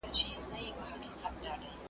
یارانو سل تجربې وکړې پــــه نشـــه باندي